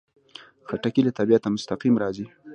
خټکی له طبیعته مستقیم راځي.